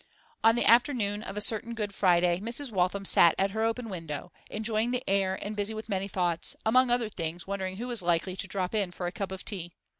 On the afternoon of a certain Good Friday, Mrs. Waltham sat at her open window, enjoying the air and busy with many thoughts, among other things wondering who was likely to drop in for a cup of tea.